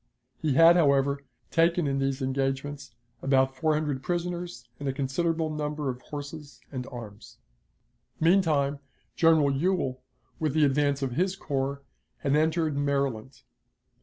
He had, however, taken in these engagements about four hundred prisoners and a considerable number of horses and arms. Meantime, General Ewell, with the advance of his corps, had entered Maryland.